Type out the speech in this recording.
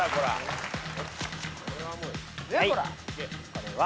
これは。